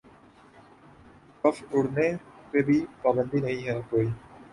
کف اُڑانے پہ بھی پابندی نہیں ہے کوئی